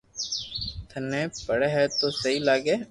ٿني پڙي ھي تو سھي ھي